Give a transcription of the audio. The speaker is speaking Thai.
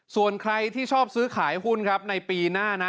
ส่วนใครที่ชอบซื้อขายหุ้นครับในปีหน้านะ